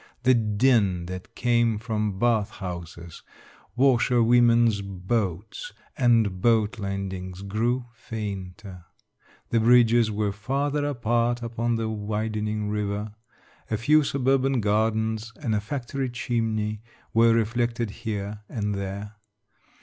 The din that came from bath houses, washerwomen's boats, and boat landings, grew fainter; the bridges were farther apart upon the widening river. A few suburban gardens and a factory chimney were reflected here and there.